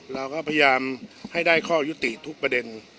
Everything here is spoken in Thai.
เราก็พยายามให้ได้ข้อยุติทุกประเด็น